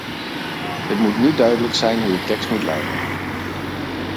Het moet nu duidelijk zijn, hoe de tekst moet luiden.